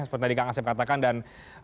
seperti tadi kak ngasib katakan